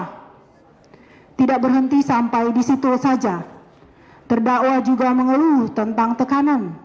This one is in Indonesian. diberikan kepada terdakwa tidak berhenti sampai disitu saja terdakwa juga mengeluh tentang tekanan